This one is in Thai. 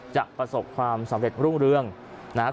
ประสบความสำเร็จรุ่งเรืองนะครับ